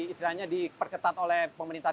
istilahnya diperketat oleh pemerintah